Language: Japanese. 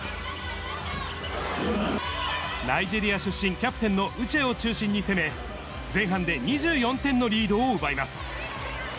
ナイジェリア出身、キャプテンのウチェを中心に攻め、前半で２４点のリードを奪います。